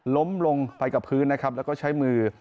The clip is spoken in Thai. ล้มลงไปกับพื้นนะครับแล้วก็ใช้มือ